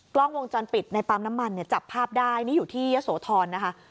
กล้องวงจรปิดในปั๊มน้ำมันเนี่ยจับภาพได้นี่อยู่ที่ยะโสธรนะคะ